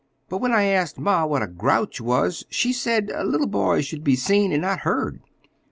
But when I asked ma what a grouch was, she said little boys should be seen and not heard.